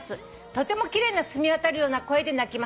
「とても奇麗な澄み渡るような声で鳴きます」